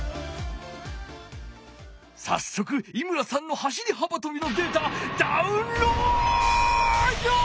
さっそく井村さんの走り幅とびのデータダウンロード！